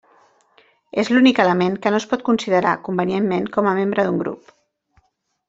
És l’únic element que no es pot considerar convenientment com a membre d’un grup.